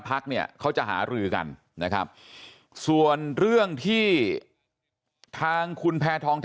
พักเนี่ยเขาจะหารือกันนะครับส่วนเรื่องที่ทางคุณแพทองจะ